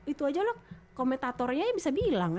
itu aja lo komentatornya bisa bilang